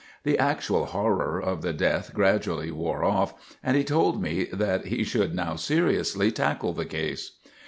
The actual horror of the death gradually wore off, and he told me that he should now seriously tackle the case.